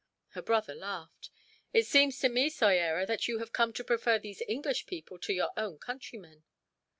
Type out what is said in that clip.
Her brother laughed. "It seems to me, Soyera, that you have come to prefer these English people to your own countrymen."